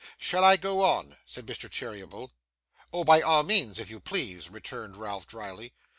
'Shall I go on?' said Mr. Cheeryble. 'Oh, by all means, if you please,' returned Ralph drily.